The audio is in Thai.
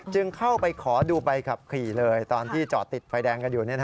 จึงเข้าไปขอดูใบขับขี่เลยตอนที่จอดติดไฟแดงกันอยู่